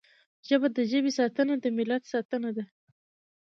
ژبه د ژبې ساتنه د ملت ساتنه ده